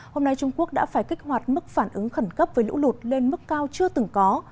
hôm nay trung quốc đã phải kích hoạt mức phản ứng khẩn cấp với lũ lụt lên mức cao chưa từng có